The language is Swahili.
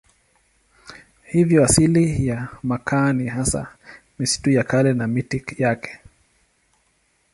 Hivyo asili ya makaa ni hasa misitu ya kale na miti yake.